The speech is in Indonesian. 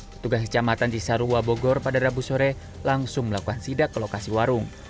petugas kecamatan cisarua bogor pada rabu sore langsung melakukan sidak ke lokasi warung